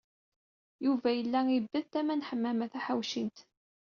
Yuba yella ibedd tama n Ḥemmama Taḥawcint.